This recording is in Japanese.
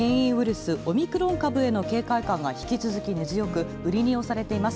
スオミクロン株への警戒感が引き続き強く、売りに押されています。